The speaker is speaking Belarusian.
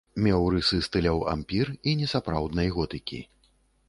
Меў рысы стыляў ампір і несапраўднай готыкі.